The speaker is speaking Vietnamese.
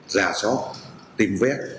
rà soát tiêm vét